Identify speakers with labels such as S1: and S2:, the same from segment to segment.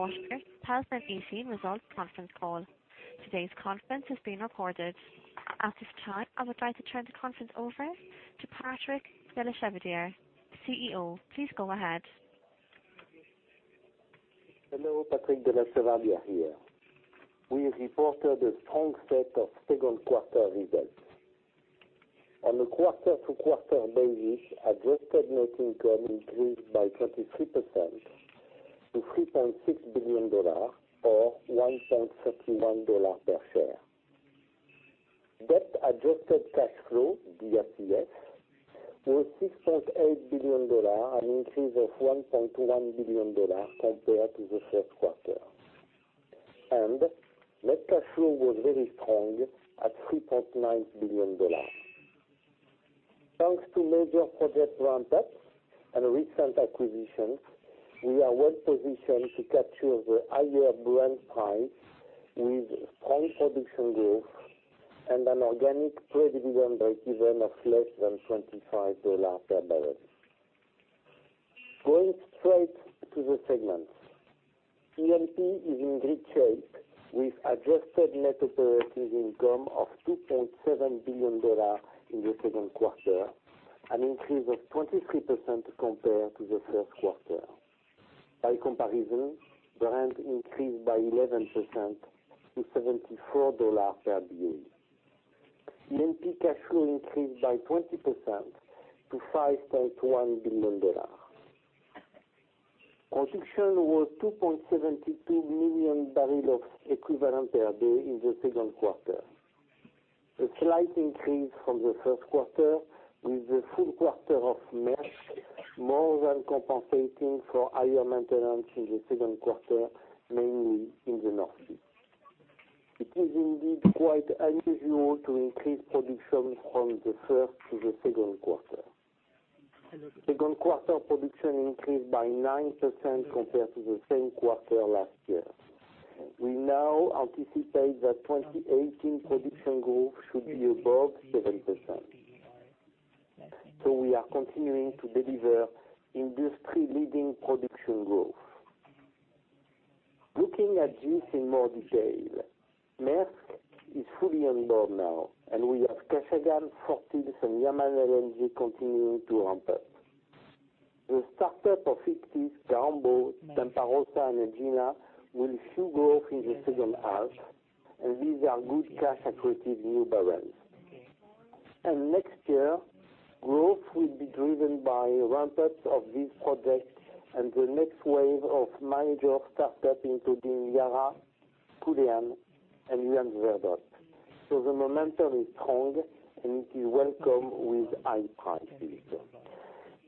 S1: quarter 2018 results conference call. Today's conference is being recorded. At this time, I would like to turn the conference over to Patrick de La Chevardière, Chief Financial Officer. Please go ahead.
S2: Hello, Patrick de La Chevardière here. We reported a strong set of second quarter results. On a quarter-over-quarter basis, adjusted net income increased by 23% to $3.6 billion, or $1.31 per share. Debt-Adjusted Cash Flow, DACF, was $6.8 billion, an increase of $1.1 billion compared to the first quarter. Net cash flow was very strong at $3.9 billion. Thanks to major project ramp-ups and recent acquisitions, we are well-positioned to capture the higher Brent price with strong production growth and an organic pre-dividend breakeven of less than $25 per barrel. Going straight to the segments. E&P is in great shape with adjusted net operating income of $2.7 billion in the second quarter, an increase of 23% compared to the first quarter. By comparison, Brent increased by 11% to $74 per barrel. E&P cash flow increased by 20% to $5.1 billion. Production was 2.72 million barrel of equivalent per day in the second quarter. A slight increase from the first quarter with the full quarter of Maersk more than compensating for higher maintenance in the second quarter, mainly in the North Sea. It is indeed quite unusual to increase production from the first to the second quarter. Second quarter production increased by 9% compared to the same quarter last year. We now anticipate that 2018 production growth should be above 7%. We are continuing to deliver industry-leading production growth. Looking at this in more detail, Maersk is fully on board now, and we have Kashagan, Fort Hills and Yamal LNG continuing to ramp up. The start-up of Ichthys, Kaombo, Tempa Rossa and Egina will fuel growth in the second half, and these are good cash accretive new barrels. Next year, growth will be driven by ramp-ups of these projects and the next wave of major start-up including Lara, Culzean and Johan Sverdrup. The momentum is strong, and it is welcome with high price.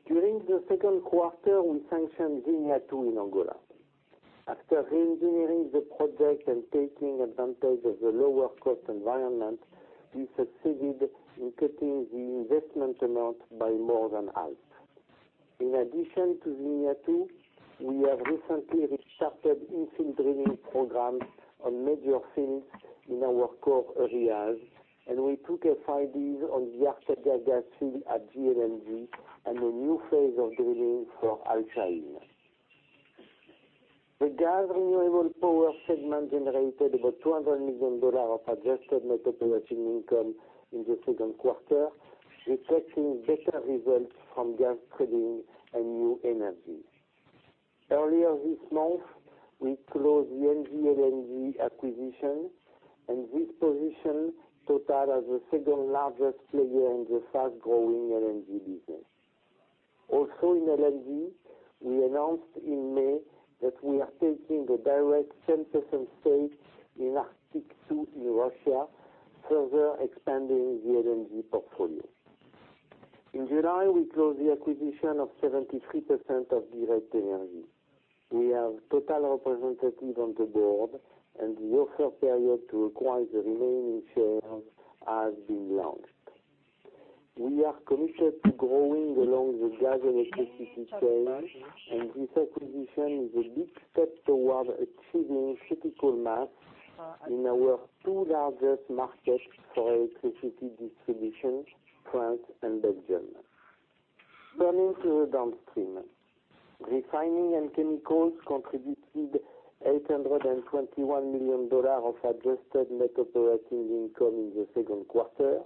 S2: During the second quarter, we sanctioned Zinia II in Angola. After re-engineering the project and taking advantage of the lower cost environment, we succeeded in cutting the investment amount by more than half. In addition to Zinia II, we have recently restarted infill drilling programs on major fields in our core areas, and we took a FID on the Arcadia gas field at GLNG and a new phase of drilling for Al Shaheen. The gas renewable power segment generated about $200 million of adjusted net operating income in the second quarter, reflecting better results from gas trading and new energy. Earlier this month, we closed the Engie LNG acquisition, and this position Total as the second largest player in the fast-growing LNG business. In LNG, we announced in May that we are taking a direct 10% stake in Arctic-2 in Russia, further expanding the LNG portfolio. In July, we closed the acquisition of 73% of Direct Energie. We have Total representative on the board, and the offer period to acquire the remaining shares has been launched. We are committed to growing along the gas and electricity chain, and this acquisition is a big step toward achieving critical mass in our two largest markets for electricity distribution, France and Belgium. Turning to the downstream. Refining & Chemicals contributed EUR 821 million of adjusted net operating income in the second quarter,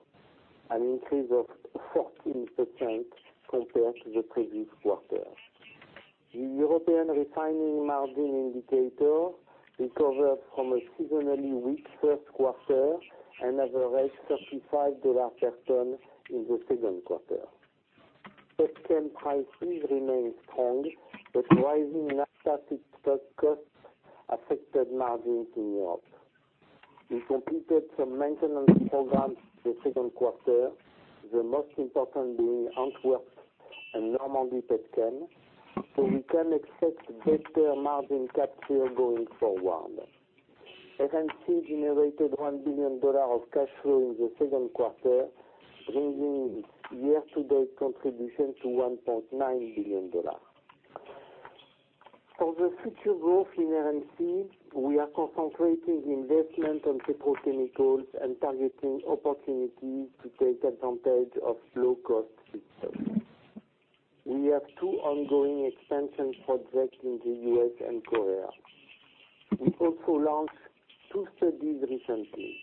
S2: an increase of 14% compared to the previous quarter. The European refining margin indicator recovered from a seasonally weak first quarter and averaged EUR 35 per ton in the second quarter. Petchem price increase remained strong, but rising naphtha feedstock costs affected margins in Europe. We completed some maintenance programs in the second quarter, the most important being Antwerp and Normandy Petchem. We can expect better margin capture going forward. R&C generated EUR 1 billion of cash flow in the second quarter, bringing year-to-date contribution to EUR 1.9 billion. For the future growth in R&C, we are concentrating the investment on petrochemicals and targeting opportunities to take advantage of low-cost feeds. We have two ongoing expansion projects in the U.S. and Korea. We also launched two studies recently,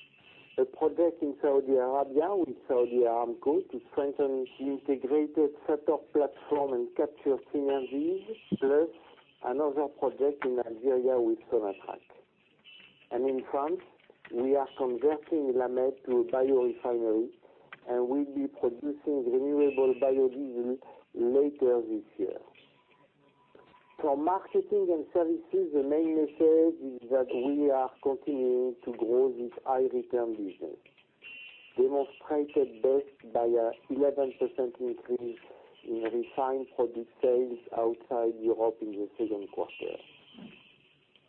S2: a project in Saudi Arabia with Saudi Aramco to strengthen the integrated setup platform and capture synergies. Another project in Algeria with Sonatrach. In France, we are converting La Mède to a biorefinery, and we'll be producing renewable biodiesel later this year. For marketing and services, the main message is that we are continuing to grow this high-return business, demonstrated best by an 11% increase in refined product sales outside Europe in the second quarter.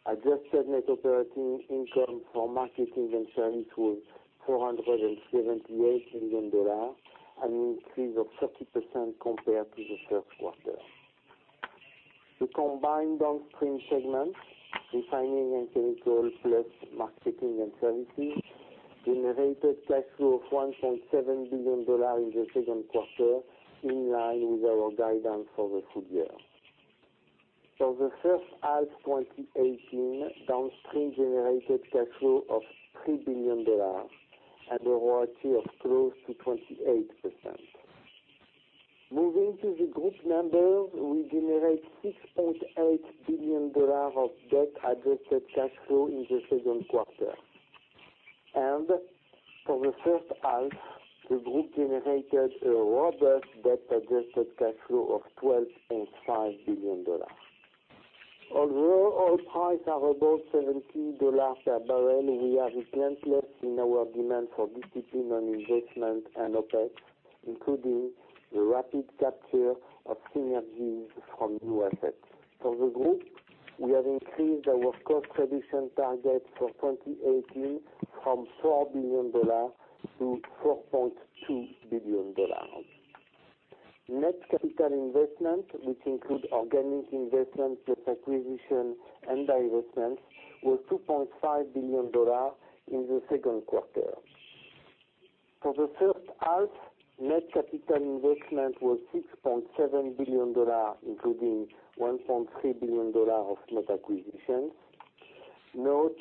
S2: Adjusted net operating income for marketing and service was EUR 478 million, an increase of 30% compared to the first quarter. The combined downstream segment, Refining & Chemicals, plus Marketing and Services, generated cash flow of EUR 1.7 billion in the second quarter, in line with our guidance for the full year. For the first half 2018, downstream generated cash flow of EUR 3 billion and a royalty of close to 28%. Moving to the group numbers, we generate EUR 6.8 billion of Debt-Adjusted Cash Flow in the second quarter. For the first half, the group generated a robust Debt-Adjusted Cash Flow of EUR 12.5 billion. Oil prices are above EUR 70 per barrel, we are relentless in our demand for discipline on investment and OpEx, including the rapid capture of synergies from new assets. For the group, we have increased our cost reduction target for 2018 from EUR 4 billion to EUR 4.2 billion. Net capital investment, which includes organic investment, plus acquisition and divestments, was EUR 2.5 billion in the second quarter. For the first half, net capital investment was EUR 6.7 billion, including EUR 1.3 billion of net acquisitions. Note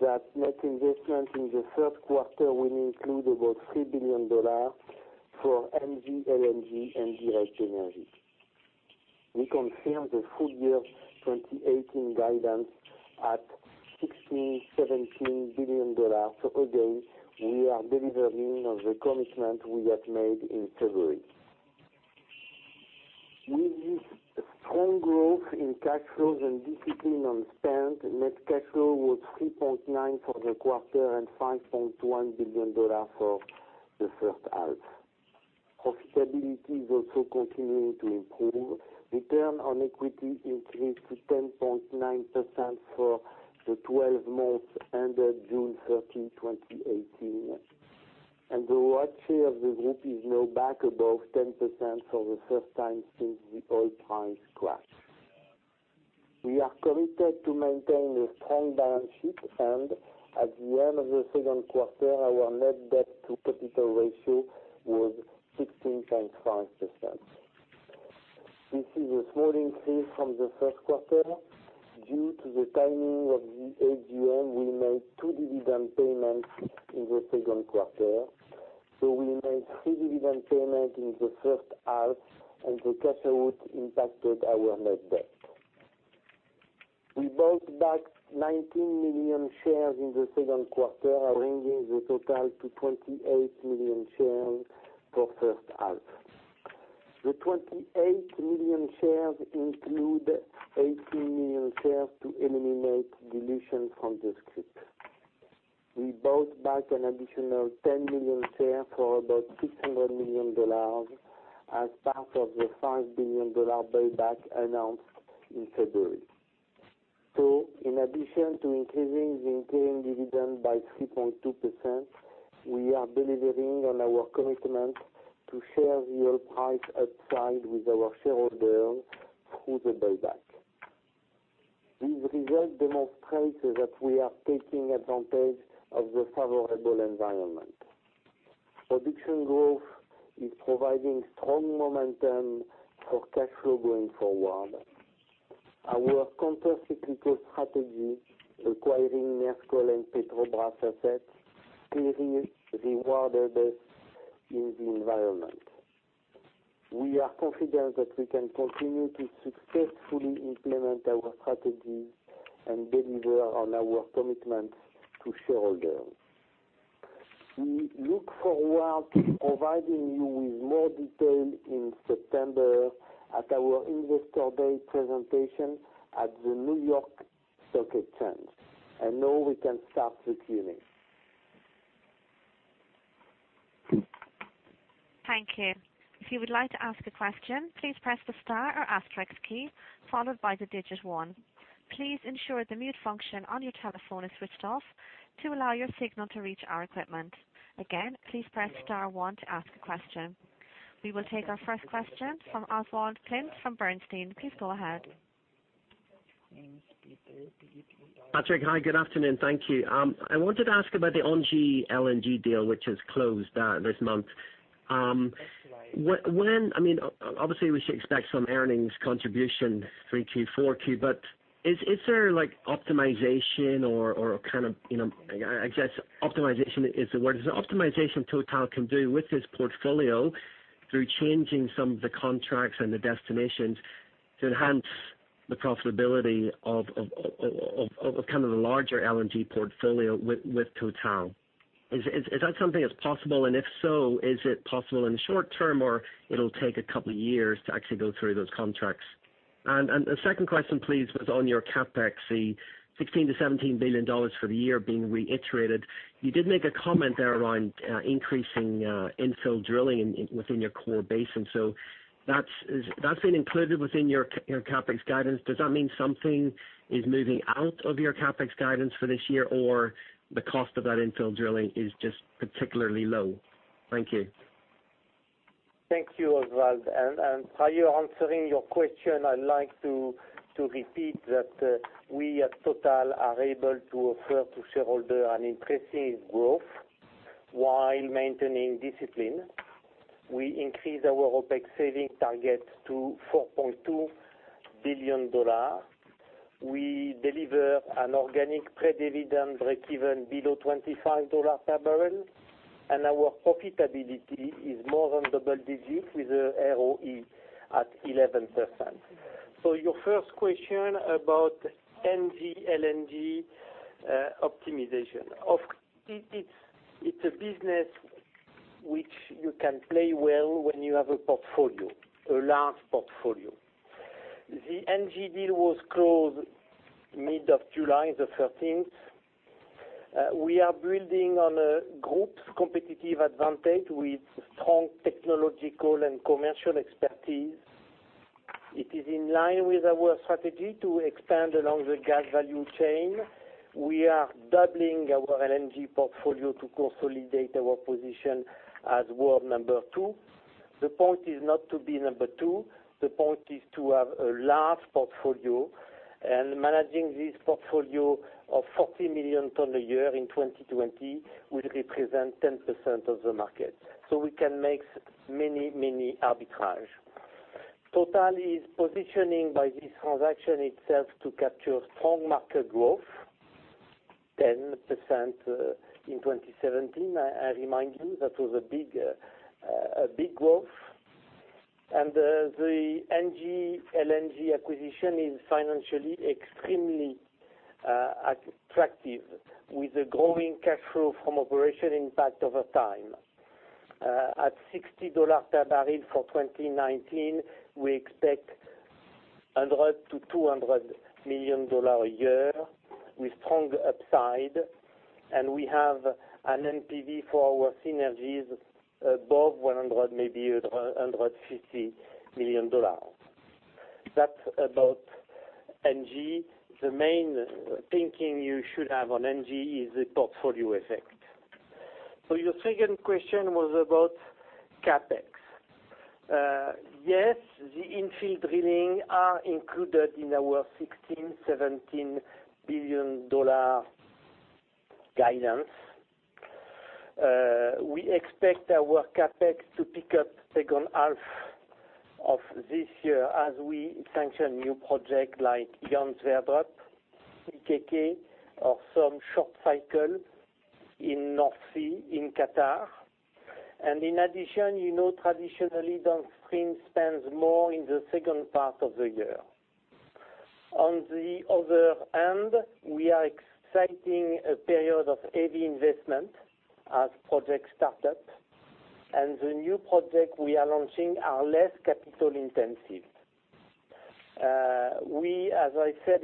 S2: that net investment in the first quarter will include about EUR 3 billion for Engie LNG and Direct Energie. We confirm the full year 2018 guidance at EUR 16 billion-EUR 17 billion. Again, we are delivering on the commitment we have made in February. With this strong growth in cash flows and discipline on spend, net cash flow was $3.9 billion for the quarter and $5.1 billion for the first half. Profitability is also continuing to improve. Return on equity increased to 10.9% for the 12 months ended June 30, 2018, and the ROE of the group is now back above 10% for the first time since the oil price crash. We are committed to maintain a strong balance sheet, and at the end of the second quarter, our net debt to capital ratio was 16.5%. This is a small increase from the first quarter. Due to the timing of the AGM, we made two dividend payments in the second quarter. We made three dividend payments in the first half, and the cash out impacted our net debt. We bought back 19 million shares in the second quarter, bringing the total to 28 million shares for the first half. The 28 million shares include 18 million shares to eliminate dilution from the scrip. We bought back an additional 10 million shares for about $600 million as part of the $5 billion buyback announced in February. In addition to increasing the interim dividend by 3.2%, we are delivering on our commitment to share the oil price upside with our shareholders through the buyback. These results demonstrate that we are taking advantage of the favorable environment. Production growth is providing strong momentum for cash flow going forward. Our countercyclical strategy, acquiring Engie LNG and Petrobras assets, clearly rewarded us in the environment. We are confident that we can continue to successfully implement our strategy and deliver on our commitments to shareholders. We look forward to providing you with more detail in September at our Investor Day presentation at the New York Stock Exchange. Now we can start the Q&A.
S1: Thank you. If you would like to ask a question, please press the star or asterisk key followed by the digit one. Please ensure the mute function on your telephone is switched off to allow your signal to reach our equipment. Again, please press star one to ask a question. We will take our first question from Oswald Clint from Bernstein. Please go ahead.
S3: Patrick, hi. Good afternoon. Thank you. I wanted to ask about the Engie LNG deal, which has closed this month. Obviously, we should expect some earnings contribution 3Q, 4Q, but is there optimization or kind of, I guess, optimization is the word. Is the optimization Total can do with this portfolio through changing some of the contracts and the destinations to enhance the profitability of the larger LNG portfolio with Total? Is that something that's possible, and if so, is it possible in the short term, or it'll take a couple of years to actually go through those contracts? The second question, please, was on your CapEx, the $16 billion-$17 billion for the year being reiterated. You did make a comment there around increasing infill drilling within your core basin. That's been included within your CapEx guidance. Does that mean something is moving out of your CapEx guidance for this year, or the cost of that infill drilling is just particularly low? Thank you.
S2: Thank you, Oswald. While you're answering your question, I'd like to repeat that we at Total are able to offer to shareholders an interesting growth while maintaining discipline. We increased our OpEx saving target to $4.2 billion. We deliver an organic pre-dividend breakeven below $25 per barrel. Our profitability is more than double digits with ROE at 11%. Your first question about Engie LNG optimization. It's a business which you can play well when you have a large portfolio. The Engie deal was closed mid of July the 13th. We are building on a group competitive advantage with strong technological and commercial expertise. It is in line with our strategy to expand along the gas value chain. We are doubling our LNG portfolio to consolidate our position as world number two. The point is not to be number two. The point is to have a large portfolio. Managing this portfolio of 40 million tonnes a year in 2020 will represent 10% of the market. We can make many, many arbitrage. Total is positioning by this transaction itself to capture strong market growth, 10% in 2017. I remind you that was a big growth. The Engie LNG acquisition is financially extremely attractive, with a growing cash flow from operation impact over time. At $60 per barrel for 2019, we expect $100 million-$200 million a year with strong upside. We have an NPV for our synergies above $100 million, maybe $150 million. That's about Engie. The main thinking you should have on Engie is the portfolio effect. Your second question was about CapEx. Yes, the infill drilling are included in our $16 billion-$17 billion guidance. We expect our CapEx to pick up second half of this year as we sanction new project like Johan Sverdrup, Tyra, or some short cycle in North Sea, in Qatar. In addition, traditionally, downstream spends more in the second part of the year. On the other hand, we are exiting a period of heavy investment as project start up, the new project we are launching are less capital intensive. As I said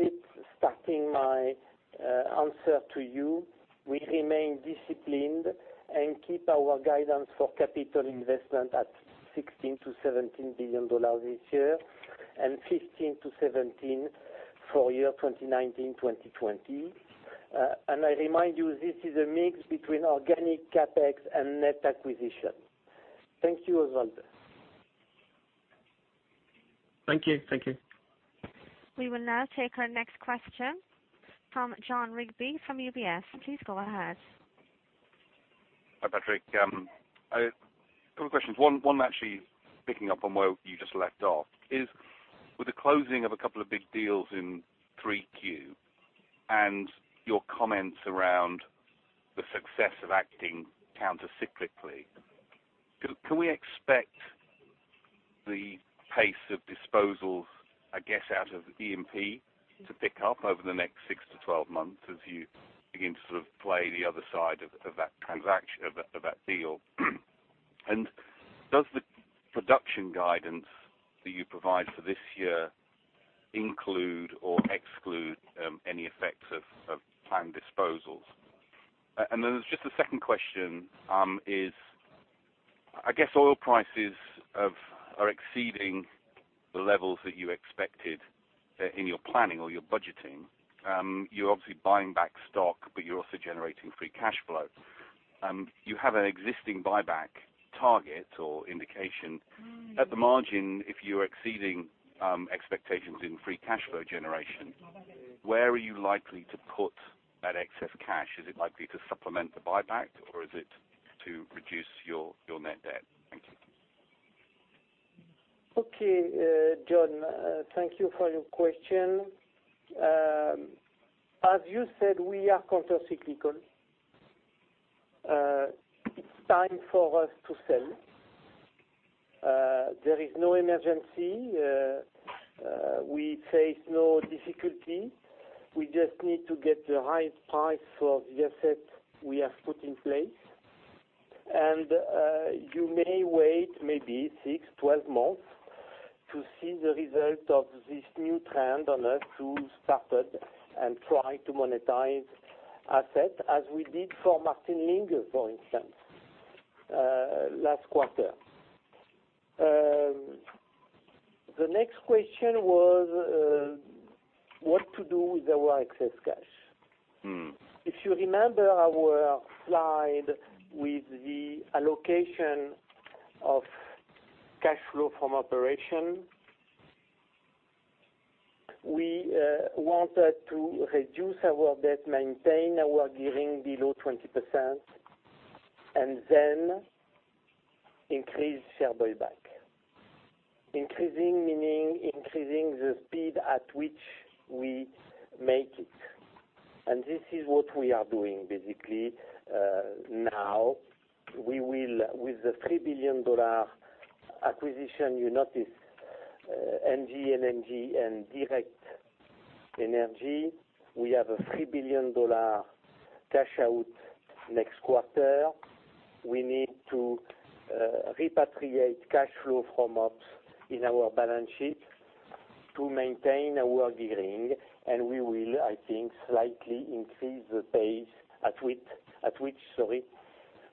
S2: starting my answer to you, we remain disciplined and keep our guidance for capital investment at EUR 16 billion-EUR 17 billion this year and 15 billion-17 billion for 2019, 2020. I remind you, this is a mix between organic CapEx and net acquisition. Thank you, Oswald.
S3: Thank you.
S1: We will now take our next question from Jon Rigby from UBS. Please go ahead.
S4: Hi, Patrick. A couple questions. One actually picking up on where you just left off is with the closing of a couple of big deals in 3Q and your comments around the success of acting countercyclically, can we expect the pace of disposals, I guess, out of E&P to pick up over the next 6-12 months as you begin to sort of play the other side of that deal? Does the production guidance that you provide for this year include or exclude any effects of planned disposals? Then there's just a second question is, I guess oil prices are exceeding the levels that you expected in your planning or your budgeting. You're obviously buying back stock, but you're also generating free cash flow. You have an existing buyback target or indication. At the margin, if you're exceeding expectations in free cash flow generation, where are you likely to put that excess cash? Is it likely to supplement the buyback, or is it to reduce your net debt? Thank you.
S2: Okay, Jon. Thank you for your question. As you said, we are counter-cyclical. It's time for us to sell. There is no emergency. We face no difficulty. We just need to get the highest price for the asset we have put in place. You may wait maybe 6, 12 months to see the result of this new trend on us to start and try to monetize assets, as we did for Martin Linge, for instance, last quarter. The next question was, what to do with our excess cash. If you remember our slide with the allocation of cash flow from operation, we wanted to reduce our debt, maintain our gearing below 20%, then increase share buyback. Increasing meaning increasing the speed at which we make it. This is what we are doing, basically, now. With the EUR 3 billion acquisition, you notice Engie LNG, and Direct Energie. We have a EUR 3 billion cash out next quarter. We need to repatriate cash flow from ops in our balance sheet to maintain our gearing, we will, I think, slightly increase the pace at which, sorry,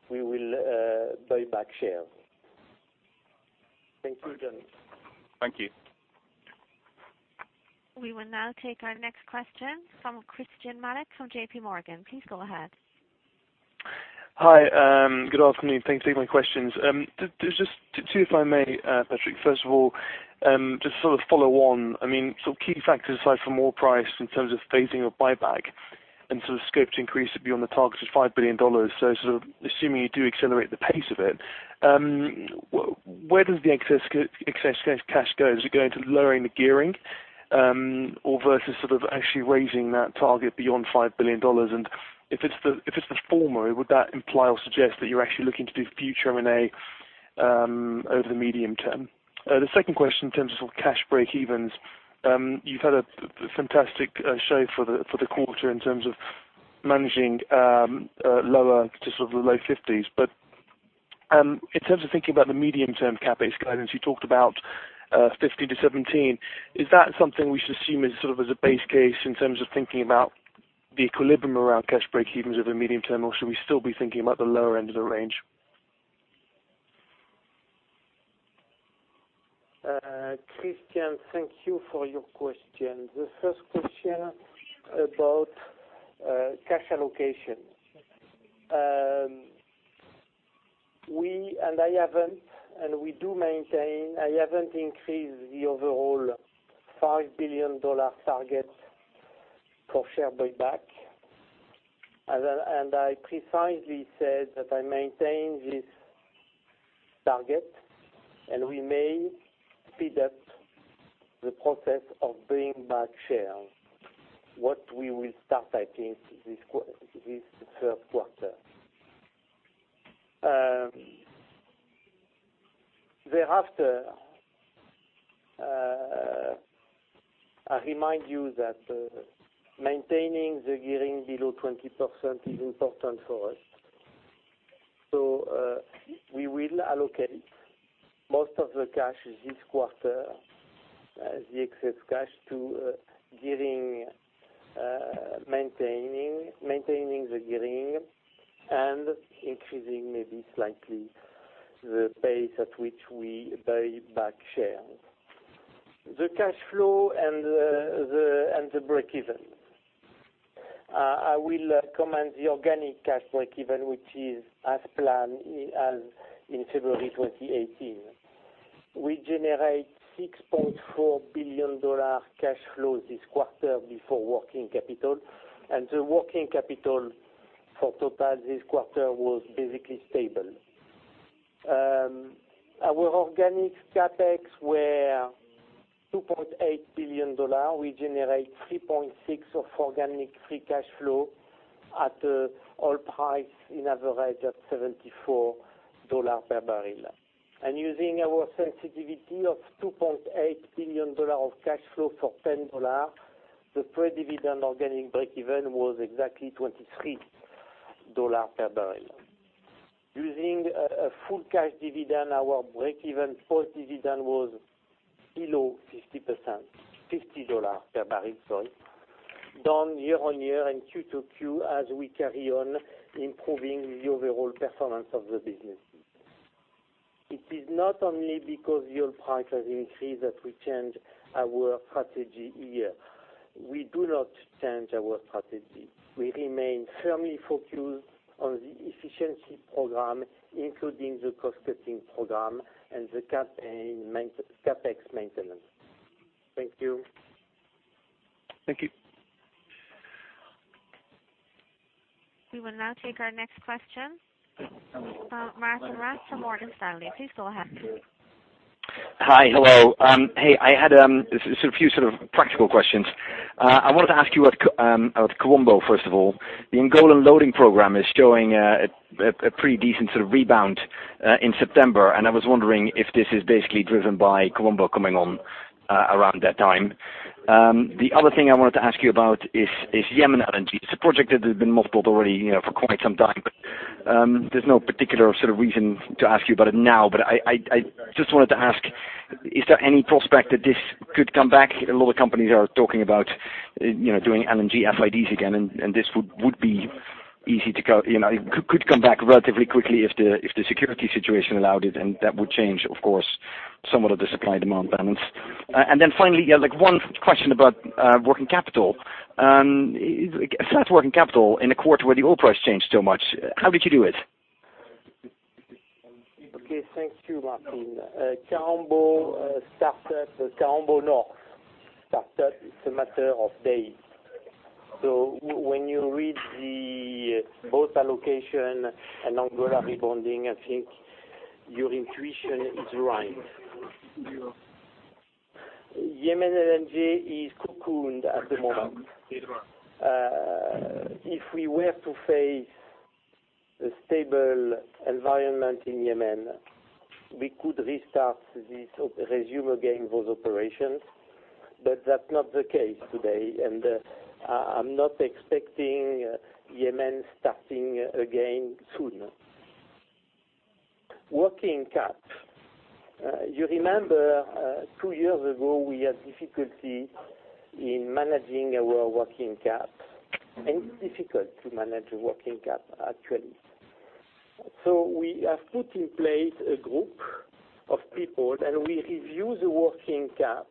S2: we will buy back shares. Thank you, Jon.
S4: Thank you.
S1: We will now take our next question from Christyan Malek from J.P. Morgan. Please go ahead.
S5: Hi. Good afternoon. Thanks for taking my questions. There's just two, if I may, Patrick. First of all, just sort of follow on, key factors aside from oil price in terms of phasing of buyback and sort of scope to increase it beyond the target of EUR 5 billion. Assuming you do accelerate the pace of it, where does the excess cash go? Is it going to lowering the gearing, or versus sort of actually raising that target beyond EUR 5 billion? If it's the former, would that imply or suggest that you're actually looking to do future M&A over the medium term? The second question in terms of sort of cash breakevens. You've had a fantastic show for the quarter in terms of managing lower to sort of the low 50s. In terms of thinking about the medium-term CapEx guidance, you talked about 50 to 17. Is that something we should assume is sort of as a base case in terms of thinking about the equilibrium around cash breakevens over the medium term, or should we still be thinking about the lower end of the range?
S2: Christyan, thank you for your question. The first question about cash allocation. We do maintain, I haven't increased the overall EUR 5 billion target for share buyback. I precisely said that I maintain this target, and we may speed up the process of bringing back shares, what we will start, I think, this third quarter. Thereafter, I remind you that maintaining the gearing below 20% is important for us. We will allocate most of the cash this quarter, the excess cash, to maintaining the gearing and increasing maybe slightly the pace at which we buy back shares. The cash flow and the breakeven. I will comment the organic cash breakeven, which is as planned as in February 2018. We generate EUR 6.4 billion cash flow this quarter before working capital, and the working capital for Total this quarter was basically stable. Our organic CapEx were EUR 2.8 billion. We generate $3.6 of organic free cash flow at oil price in average at $74 per barrel. Using our sensitivity of $2.8 billion of cash flow for $10, the pre-dividend organic breakeven was exactly $23 per barrel. Using a full cash dividend, our breakeven post-dividend was below $50 per barrel, sorry, down year-on-year and quarter-on-quarter, as we carry on improving the overall performance of the business. It is not only because the oil price has increased that we change our strategy here. We do not change our strategy. We remain firmly focused on the efficiency program, including the cost-cutting program and the CapEx maintenance. Thank you.
S5: Thank you.
S1: We will now take our next question from Martijn Rats from Morgan Stanley. Please go ahead.
S6: Hi. Hello. Hey, I had a few practical questions. I wanted to ask you about Kaombo, first of all. The Angolan loading program is showing a pretty decent sort of rebound in September, and I was wondering if this is basically driven by Kaombo coming on around that time. The other thing I wanted to ask you about is Yamal LNG. It's a project that has been mothballed already for quite some time, but there's no particular sort of reason to ask you about it now. I just wanted to ask, is there any prospect that this could come back? A lot of companies are talking about doing LNG FIDs again, and this could come back relatively quickly if the security situation allowed it, and that would change, of course, somewhat of the supply-demand balance. Finally, yeah, one question about working capital. A flat working capital in a quarter where the oil price changed so much, how did you do it?
S2: Okay. Thank you, Martijn. Kaombo North started. It's a matter of days. When you read the both allocation and Angola rebonding, I think your intuition is right. Yamal LNG is cocooned at the moment. If we were to face a stable environment in Yamal, we could restart this, resume again those operations, but that's not the case today, and I'm not expecting Yamal starting again soon. Working cap. You remember, 2 years ago, we had difficulty in managing our working cap, and it's difficult to manage a working cap, actually. We have put in place a group of people, and we review the working cap,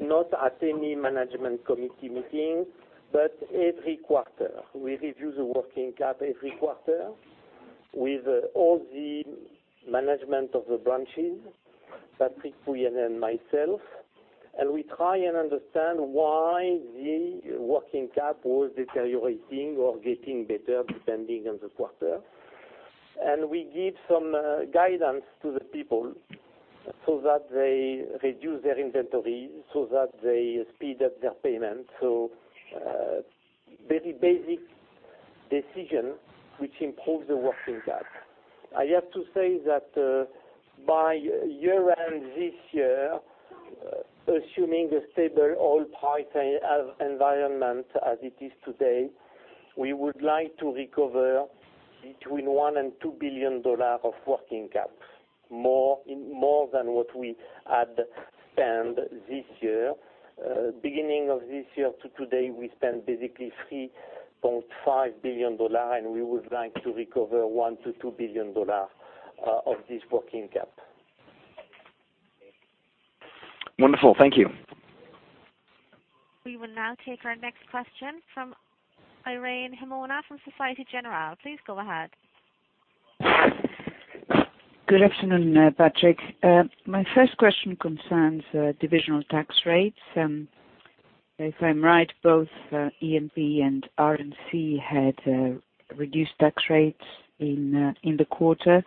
S2: not at any management committee meeting, but every quarter. We review the working cap every quarter with all the management of the branches, Patrick Pouyanné, and myself, and we try and understand why the working cap was deteriorating or getting better, depending on the quarter. We give some guidance to the people so that they reduce their inventory, so that they speed up their payment. Very basic decision, which improves the working cap. I have to say that by year-end this year, assuming a stable oil price environment as it is today, we would like to recover between $1 billion and $2 billion of working cap, more than what we had spent this year. Beginning of this year to today, we spent basically $3.5 billion, and we would like to recover $1 billion-$2 billion of this working cap.
S6: Wonderful. Thank you.
S1: We will now take our next question from Irene Himona from Societe Generale. Please go ahead.
S7: Good afternoon, Patrick. My first question concerns divisional tax rates. If I'm right, both E&P and R&C had reduced tax rates in the quarter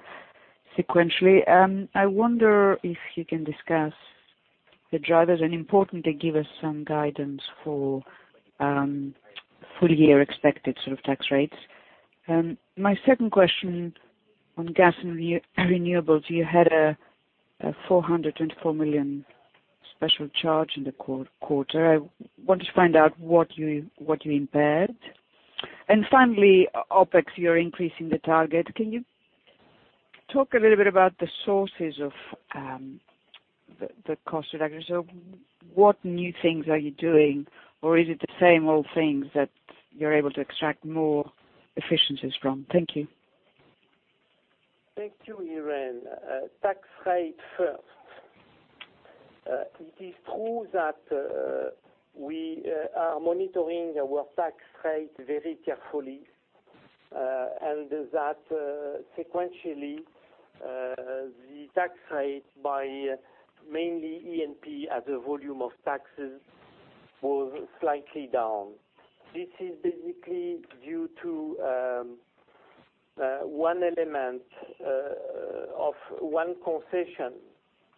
S7: sequentially. I wonder if you can discuss the drivers and importantly give us some guidance for full-year expected sort of tax rates. My second question on gas and renewables, you had a $424 million special charge in the quarter. I wanted to find out what you impaired. Finally, OpEx, you're increasing the target. Can you talk a little bit about the sources of the cost reduction? What new things are you doing, or is it the same old things that you're able to extract more efficiencies from? Thank you.
S2: Thank you, Irene. Tax rate first. It is true that we are monitoring our tax rate very carefully, and that sequentially, the tax rate by mainly E&P as a volume of taxes was slightly down. This is basically due to one element of one concession,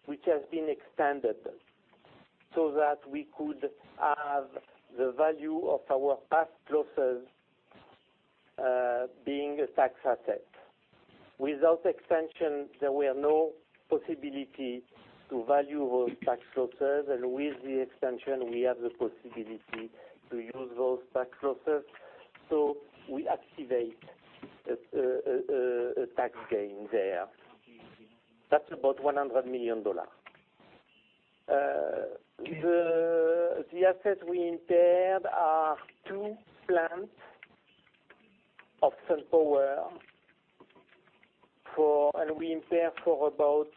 S2: which has been extended so that we could have the value of our past losses being a tax asset. Without extension, there were no possibility to value those tax losses, and with the extension, we have the possibility to use those tax losses. We activate a tax gain there. That's about $100 million. The assets we impaired are two plants of SunPower, and we impaired for about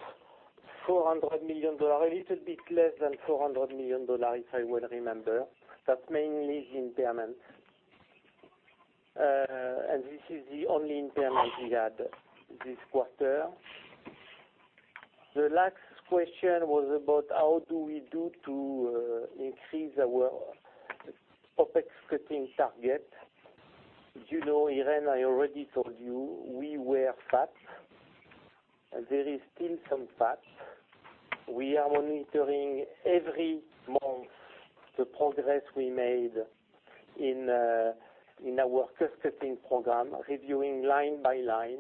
S2: $400 million, a little bit less than $400 million, if I well remember. That's mainly the impairment. This is the only impairment we had this quarter. The last question was about how do we do to increase our OpEx cutting target. You know, Irene, I already told you we were fat. There is still some fat. We are monitoring every month the progress we made in our cost-cutting program, reviewing line by line.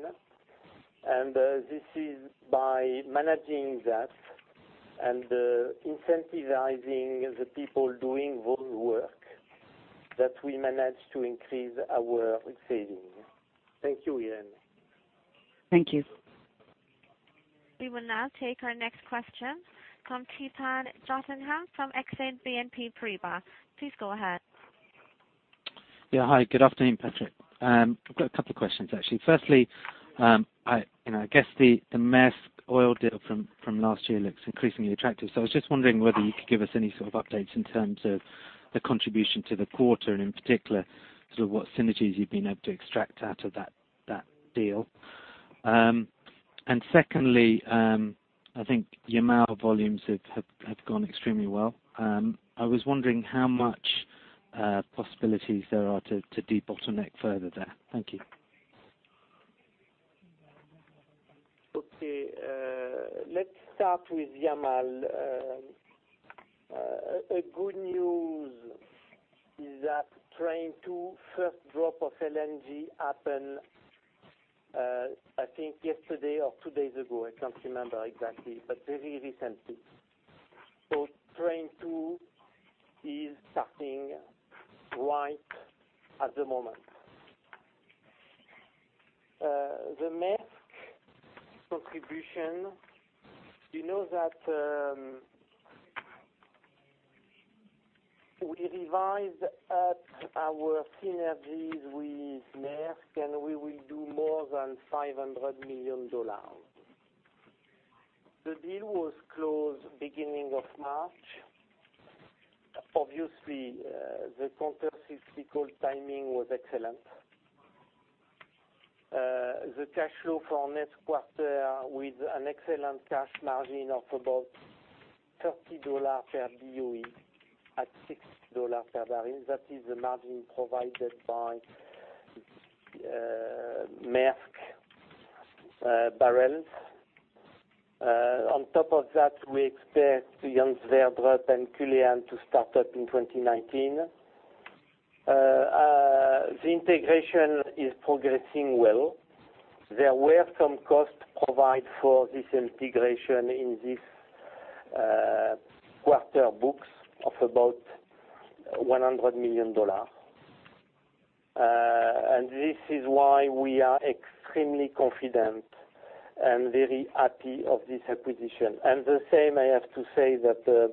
S2: This is by managing that and incentivizing the people doing those work that we manage to increase our savings. Thank you, Irene.
S7: Thank you.
S1: We will now take our next question from Theepan Jothilingam from Exane BNP Paribas. Please go ahead.
S8: Yeah. Hi, good afternoon, Patrick. I've got a couple of questions, actually. Firstly, I guess the Maersk Oil deal from last year looks increasingly attractive. I was just wondering whether you could give us any sort of updates in terms of the contribution to the quarter, and in particular, sort of what synergies you've been able to extract out of that deal. Secondly, I think Yamal volumes have gone extremely well. I was wondering how much possibilities there are to debottleneck further there. Thank you.
S2: Okay. Let's start with Yamal. A good news is that Train 2 first drop of LNG happened, I think yesterday or two days ago, I can't remember exactly, but very recently. Train 2 is starting right at the moment. The Maersk contribution, you know that, we revised up our synergies with Maersk, and we will do more than $500 million. The deal was closed beginning of March. Obviously, the counter cyclical timing was excellent. The cash flow for next quarter with an excellent cash margin of about $30 per BOE at $6 per barrel. That is the margin provided by Maersk barrels. On top of that, we expect the Johan Sverdrup and Culzean to start up in 2019. The integration is progressing well. There were some costs provided for this integration in this quarter books of about $100 million. This is why we are extremely confident and very happy of this acquisition. The same, I have to say that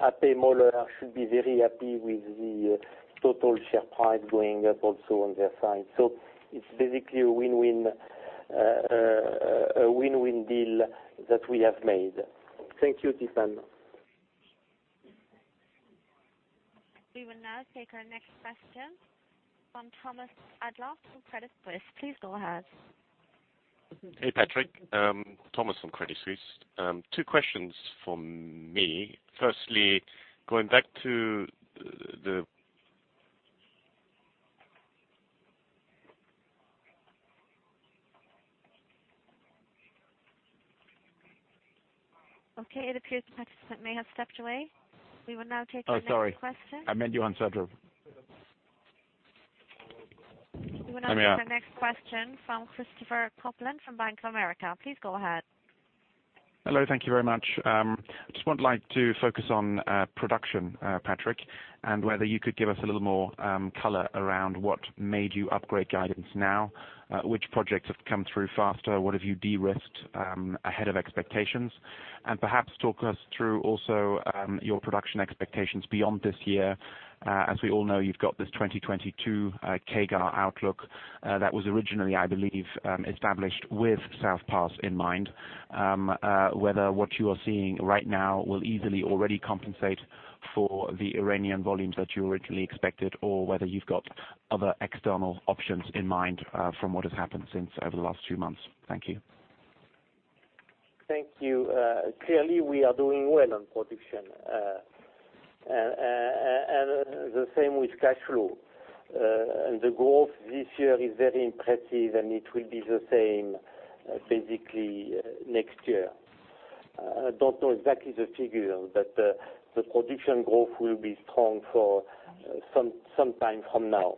S2: A.P. Moller should be very happy with the Total share price going up also on their side. It's basically a win-win deal that we have made. Thank you, Theepan.
S1: We will now take our next question from Thomas Adolff from Credit Suisse. Please go ahead.
S9: Hey, Patrick. Thomas from Credit Suisse. Two questions from me. Firstly, going back to the
S1: Okay, it appears the participant may have stepped away. We will now take the next question.
S9: Oh, sorry. I meant Johan Sverdrup. I am here.
S1: We will now take our next question from Christopher Copeland from Bank of America. Please go ahead.
S10: Hello, thank you very much. I just would like to focus on production, Patrick, and whether you could give us a little more color around what made you upgrade guidance now, which projects have come through faster, what have you de-risked ahead of expectations, and perhaps talk us through also your production expectations beyond this year. As we all know, you have got this 2022 CAGR outlook that was originally, I believe, established with South Pars in mind. Whether what you are seeing right now will easily already compensate for the Iranian volumes that you originally expected, or whether you have got other external options in mind from what has happened since over the last few months. Thank you.
S2: Thank you. Clearly, we are doing well on production. The same with cash flow. The growth this year is very impressive, and it will be the same basically next year. I do not know exactly the figure, but the production growth will be strong for some time from now.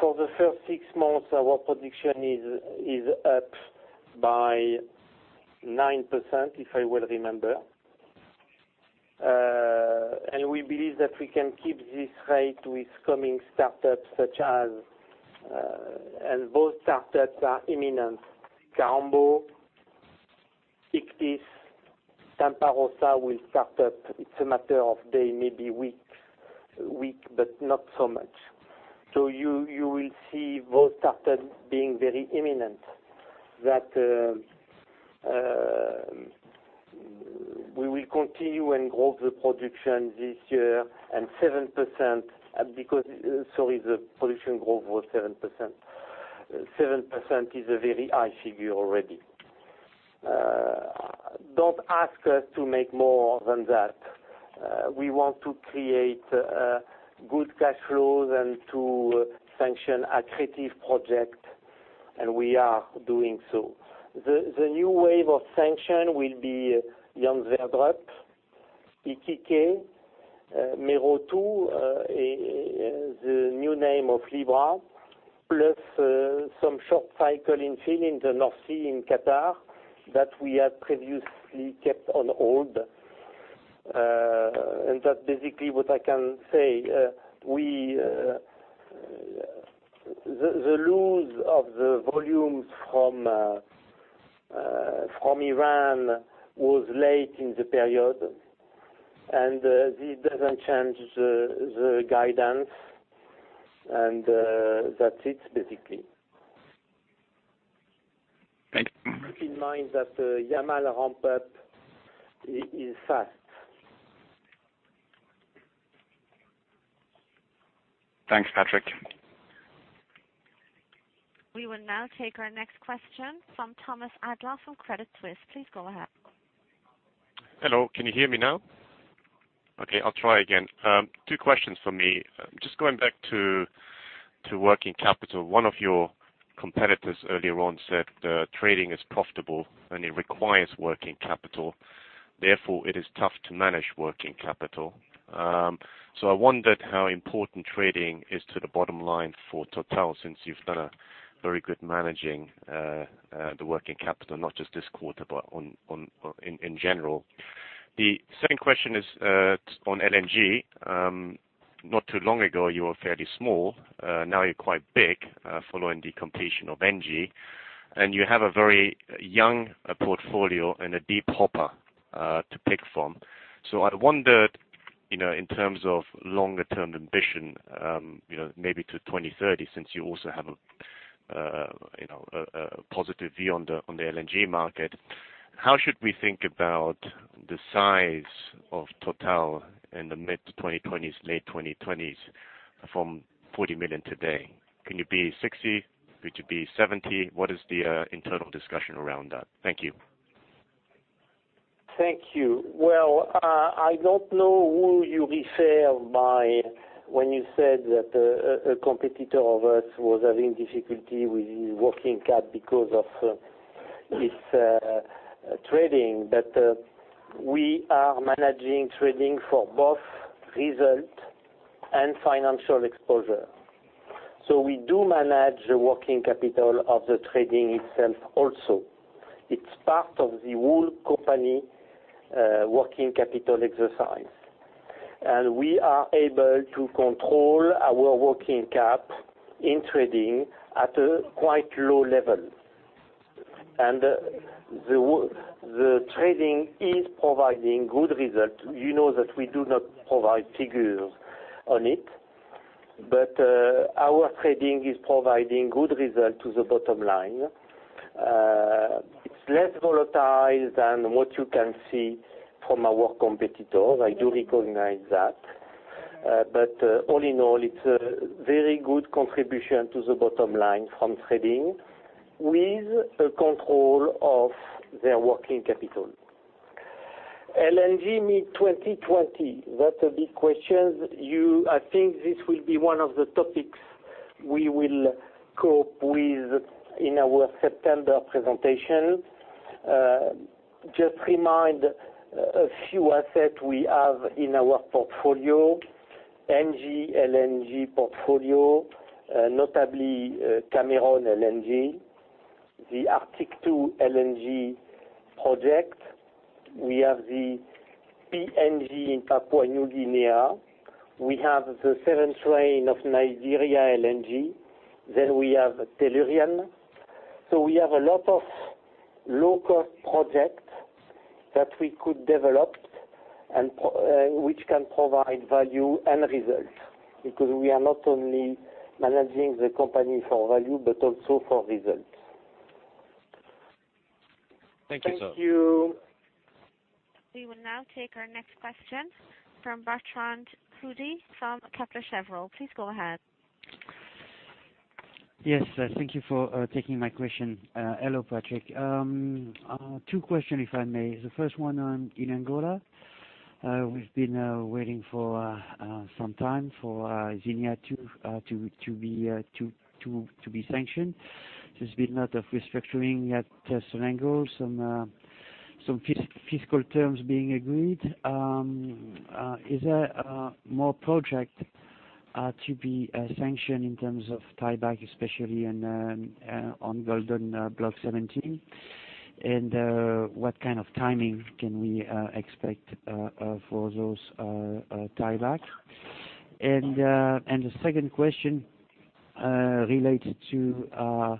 S2: For the first six months, our production is up by 9%, if I well remember. We believe that we can keep this rate with coming startups such as, and both startups are imminent, Kaombo Ichthys, Tempa Rossa will start up. It is a matter of day, maybe week, but not so much. You will see both startups being very imminent. That we will continue and grow the production this year and 7%, because, sorry, the production growth was 7%. 7% is a very high figure already. Do not ask us to make more than that. We want to create good cash flows to sanction accretive project, we are doing so. The new wave of sanction will be Johan Sverdrup, Ikike, Mero 2, the new name of Libra, plus some short cycle infill in the North Sea in Qatar that we had previously kept on hold. That's basically what I can say. The loss of the volumes from Iran was late in the period, this doesn't change the guidance, that's it basically.
S10: Thank you.
S2: Keep in mind that the Yamal ramp-up is fast.
S10: Thanks, Patrick.
S1: We will now take our next question from Thomas Adolff from Credit Suisse. Please go ahead.
S9: Hello, can you hear me now? I'll try again. Two questions for me. Going back to working capital. One of your competitors earlier on said that trading is profitable and it requires working capital. It is tough to manage working capital. I wondered how important trading is to the bottom line for Total since you've done a very good managing the working capital, not just this quarter, but in general. The second question is on LNG. Not too long ago, you were fairly small. Now you're quite big following the completion of Engie, and you have a very young portfolio and a deep hopper to pick from. I wondered in terms of longer-term ambition, maybe to 2030, since you also have a positive view on the LNG market, how should we think about the size of Total in the mid 2020s, late 2020s from 40 million today? Can you be 60? Could you be 70? What is the internal discussion around that? Thank you.
S2: Thank you. Well, I don't know who you refer by when you said that a competitor of ours was having difficulty with his working cap because of his trading. We are managing trading for both result and financial exposure. We do manage the working capital of the trading itself also. It's part of the whole company working capital exercise. We are able to control our working cap in trading at a quite low level. The trading is providing good result. You know that we do not provide figures on it, our trading is providing good result to the bottom line. It's less volatile than what you can see from our competitors, I do recognize that. All in all, it's a very good contribution to the bottom line from trading with a control of their working capital. LNG mid 2020, that's a big question. I think this will be one of the topics we will cope with in our September presentation. Just remind a few assets we have in our portfolio, Engie LNG portfolio, notably Cameron LNG, the Arctic 2 LNG project. We have the PNG in Papua New Guinea. We have the seventh train of Nigeria LNG. We have Tellurian. We have a lot of low-cost projects that we could develop and which can provide value and results because we are not only managing the company for value but also for results.
S9: Thank you, sir.
S2: Thank you.
S1: We will now take our next question from Bertrand Hodee from Kepler Cheuvreux. Please go ahead.
S11: Yes, thank you for taking my question. Hello, Patrick. Two questions, if I may. The first one in Angola. We've been waiting for some time for Zinia to be sanctioned. There's been a lot of restructuring at Sonangol, some fiscal terms being agreed. Is there more project to be sanctioned in terms of tieback, especially on Golden Block 17? What kind of timing can we expect for those tieback? The second question related to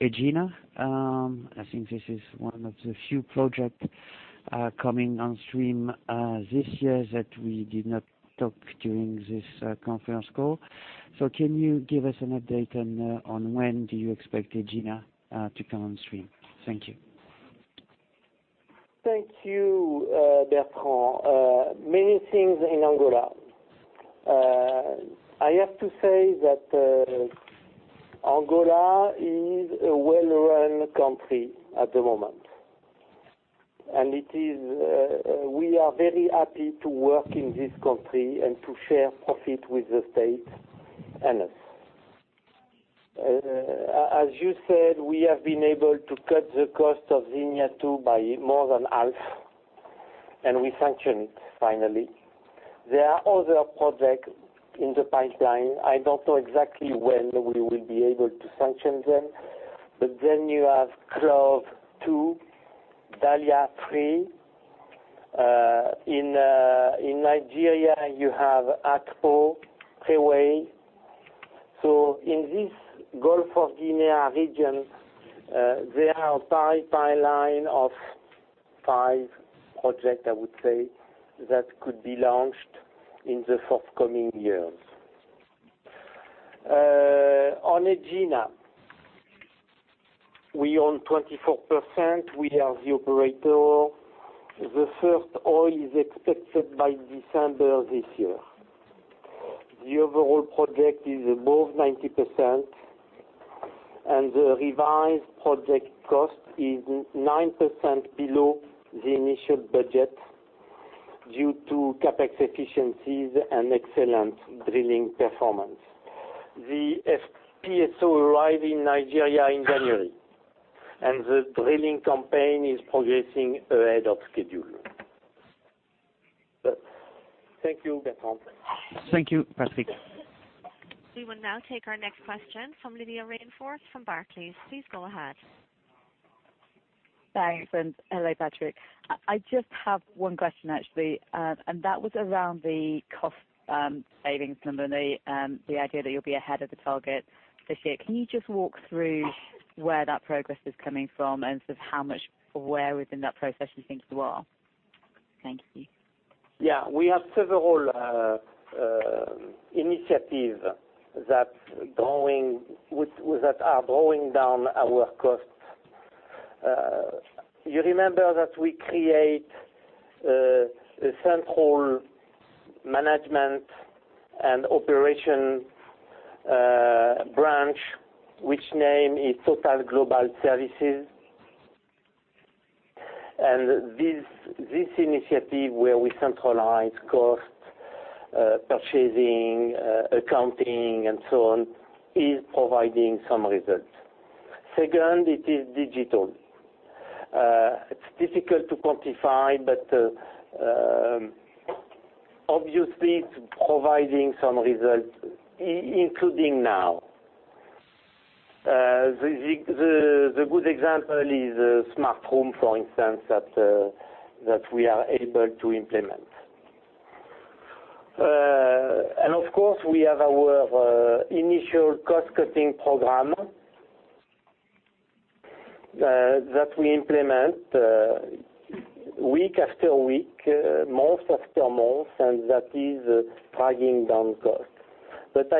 S11: Egina. I think this is one of the few projects coming on stream this year that we did not talk about during this conference call. Can you give us an update on when do you expect Egina to come on stream? Thank you.
S2: Thank you, Bertrand. Many things in Angola. I have to say that Angola is a well-run country at the moment. We are very happy to work in this country and to share profit with the state and us. As you said, we have been able to cut the cost of Zinia II by more than half. We sanctioned it finally. There are other projects in the pipeline. I don't know exactly when we will be able to sanction them, but then you have CLOV 2, Dalia 3. In Nigeria, you have Akpo, Preowei. In this Gulf of Guinea region, there are a pipeline of five projects, I would say, that could be launched in the forthcoming years. On Egina, we own 24%. We are the operator. The first oil is expected by December this year. The overall project is above 90%. The revised project cost is 9% below the initial budget due to CapEx efficiencies and excellent drilling performance. The FPSO arrived in Nigeria in January. The drilling campaign is progressing ahead of schedule. Thank you, Bertrand.
S11: Thank you, Patrick.
S1: We will now take our next question from Lydia Rainforth from Barclays. Please go ahead.
S12: Thanks. Hello, Patrick. I just have one question, actually, and that was around the cost savings number, the idea that you'll be ahead of the target this year. Can you just walk through where that progress is coming from and sort of where within that process you think you are? Thank you.
S2: Yeah. We have several initiatives that are going down our costs. You remember that we create a central management and operation branch, which name is Total Global Services. This initiative where we centralize cost, purchasing, accounting, and so on, is providing some results. Second, it is digital. It's difficult to quantify, but obviously, it's providing some results, including now. The good example is a smart home, for instance, that we are able to implement. Of course, we have our initial cost-cutting program that we implement week after week, month after month, and that is dragging down costs. I'd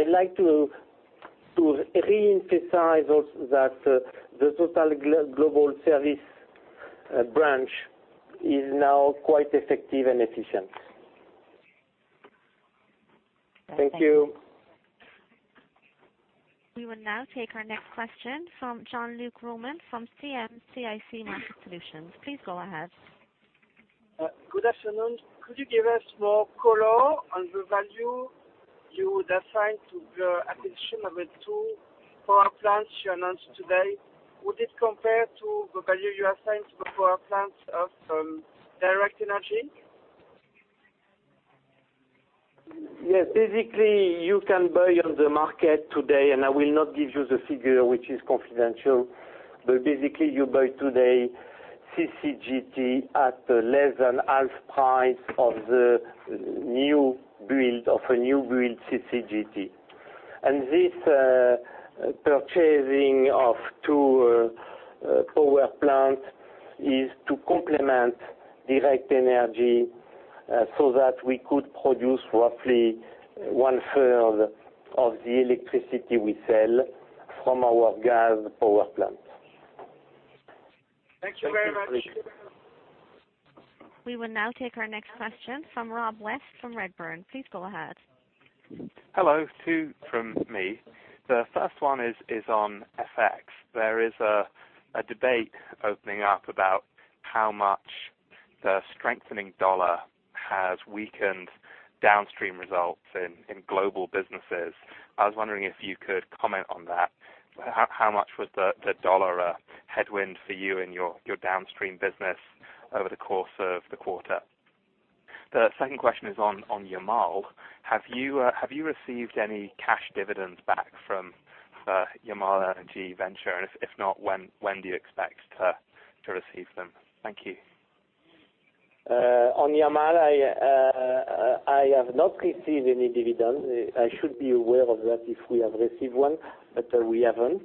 S2: like to reemphasize also that the Total Global Service branch is now quite effective and efficient.
S12: Thank you.
S1: We will now take our next question from Jean-Luc Romain from CM-CIC Market Solutions. Please go ahead.
S13: Good afternoon. Could you give us more color on the value you would assign to the acquisition of the two power plants you announced today? Would it compare to the value you assigned to the power plants of Direct Energie?
S2: Yes. Basically, you can buy on the market today, and I will not give you the figure, which is confidential, but basically, you buy today CCGT at less than half price of a new build CCGT. This purchasing of two power plants is to complement Direct Energie, so that we could produce roughly one-third of the electricity we sell from our gas power plants.
S13: Thank you very much.
S1: We will now take our next question from Rob West from Redburn. Please go ahead.
S14: Hello. Two from me. The first one is on FX. There is a debate opening up about how much the strengthening dollar has weakened downstream results in global businesses. I was wondering if you could comment on that. How much was the dollar a headwind for you in your downstream business over the course of the quarter? The second question is on Yamal. Have you received any cash dividends back from Yamal LNG venture? If not, when do you expect to receive them? Thank you.
S2: On Yamal, I have not received any dividend. I should be aware of that if we have received one, but we haven't.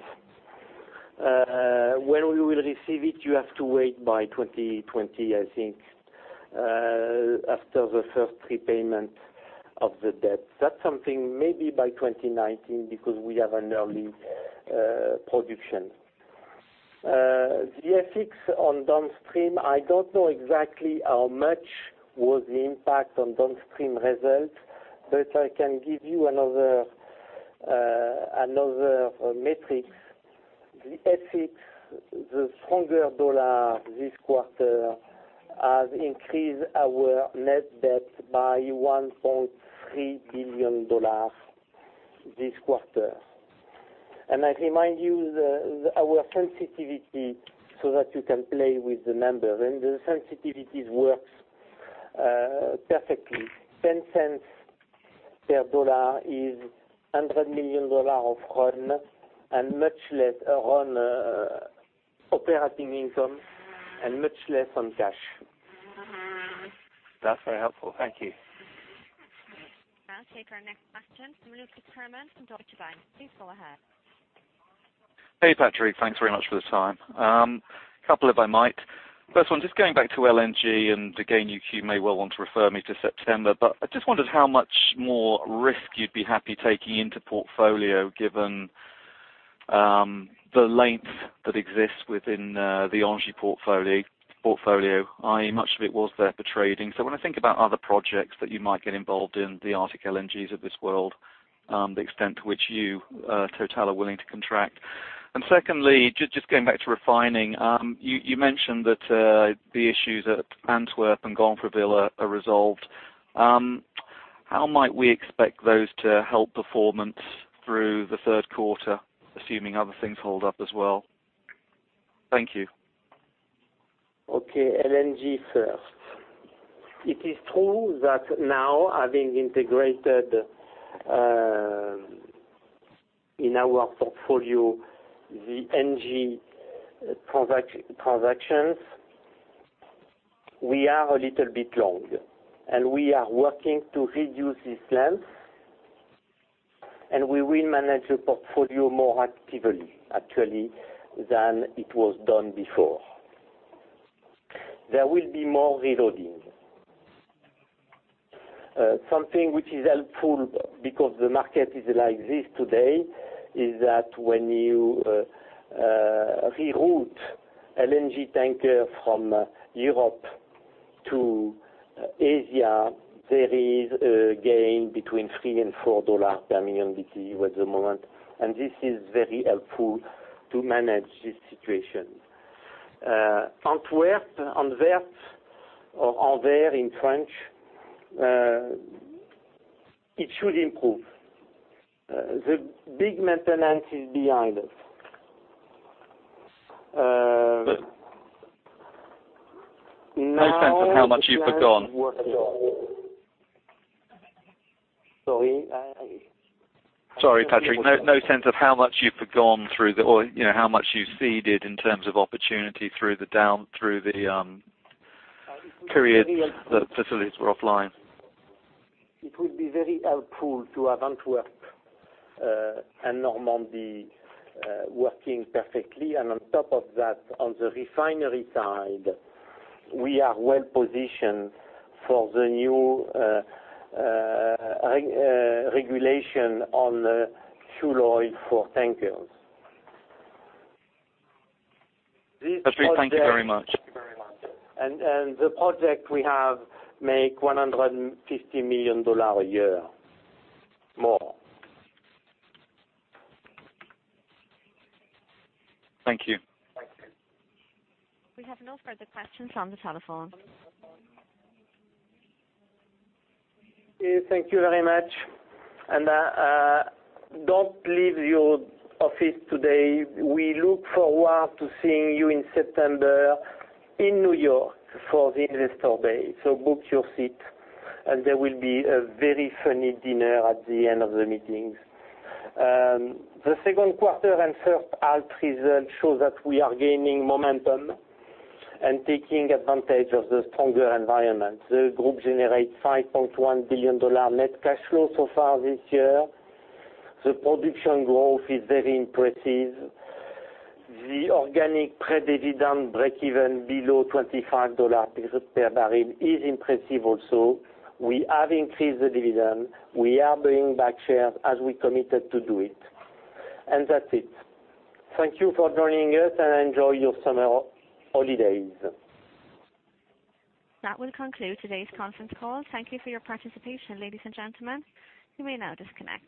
S2: When we will receive it, you have to wait by 2020, I think, after the first repayment of the debt. That's something maybe by 2019 because we have an early production. The FX on downstream, I don't know exactly how much was the impact on downstream results, but I can give you another matrix. The FX, the stronger dollar this quarter has increased our net debt by $1.3 billion this quarter. I remind you, our sensitivity so that you can play with the numbers, and the sensitivities works perfectly. $0.10 per dollar is $100 million of net and much less net operating income and much less on cash.
S14: That's very helpful. Thank you.
S1: We'll now take our next question from Lucas Herrmann from Deutsche Bank. Please go ahead.
S15: Hey, Patrick. Thanks very much for the time. Couple if I might. First one, just going back to LNG. Again, you may well want to refer me to September, but I just wondered how much more risk you'd be happy taking into portfolio given the length that exists within the LNG portfolio, i.e., much of it was there for trading. When I think about other projects that you might get involved in, the Arctic LNGs of this world, the extent to which you, Total, are willing to contract. Secondly, just going back to refining. You mentioned that the issues at Antwerp and Gonfreville are resolved. How might we expect those to help performance through the third quarter, assuming other things hold up as well? Thank you.
S2: Okay. LNG first. It is true that now, having integrated in our portfolio the Engie transactions, we are a little bit long, and we are working to reduce this length, and we will manage the portfolio more actively, actually, than it was done before. There will be more reloading. Something which is helpful because the market is like this today, is that when you reroute LNG tanker from Europe to Asia, there is a gain between $3 and $4 per million BTU at the moment. This is very helpful to manage this situation. Antwerp, "Anvert," or Anvers in French, it should improve. The big maintenance is behind us.
S15: But-
S2: Now-
S15: No sense of how much you've forgone?
S2: Sorry?
S15: Sorry, Patrick. No sense of how much you've forgone through the, or how much you ceded in terms of opportunity through the period the facilities were offline?
S2: It will be very helpful to have Antwerp and Normandy working perfectly. On top of that, on the refinery side, we are well-positioned for the new regulation on heavy fuel oil for tankers. This project.
S15: Patrick, thank you very much.
S2: The project we have make EUR 150 million a year more.
S15: Thank you.
S1: We have no further questions on the telephone.
S2: Okay. Thank you very much. Don't leave your office today. We look forward to seeing you in September in New York for the Investor Day. Book your seat, and there will be a very funny dinner at the end of the meetings. The second quarter and first half results show that we are gaining momentum and taking advantage of the stronger environment. The group generates $5.1 billion net cash flow so far this year. The production growth is very impressive. The organic pre-dividend breakeven below $25 per barrel is impressive also. We have increased the dividend. We are buying back shares as we committed to do it. That's it. Thank you for joining us, and enjoy your summer holidays.
S1: That will conclude today's conference call. Thank you for your participation, ladies and gentlemen. You may now disconnect.